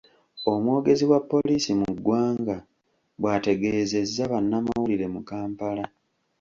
Omwogezi wa poliisi mu ggwanga bwategeezezza bannamawulire mu Kampala.